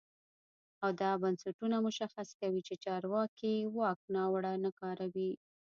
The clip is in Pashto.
او دا بنسټونه مشخص کوي چې چارواکي واک ناوړه نه کاروي.